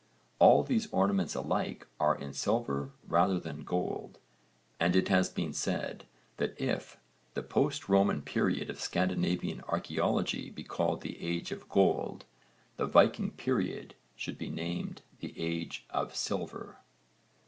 All these ornaments alike are in silver rather than gold, and it has been said that if the post Roman period of Scandinavian archaeology be called the age of Gold, the Viking period should be named the age of Silver.